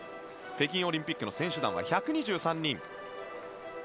北京オリンピックの選手団は１２３人。